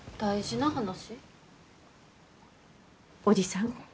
おじさん